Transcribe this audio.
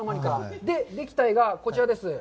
できた絵がこちらです。